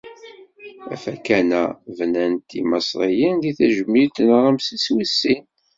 Afakan-a bnan-t Yimaṣriyen d tajmilt i Ramsis wis sin.